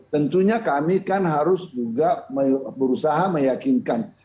tentunya kami kan harus juga berusaha meyakinkan